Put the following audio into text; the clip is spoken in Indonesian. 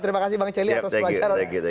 terima kasih bang celi atas pelajaran